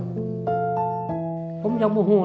ผมยังมห่วงด้วยว่าผมจะตายก่อน